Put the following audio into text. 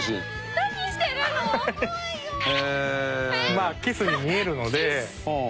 まあキスに見えるので。